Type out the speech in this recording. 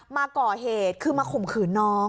มาก่อเหตุคือมาข่มขืนน้อง